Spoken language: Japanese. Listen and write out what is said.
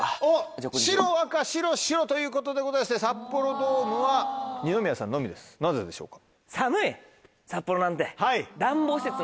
白紅白白ということで札幌ドームは二宮さんのみですなぜでしょうか。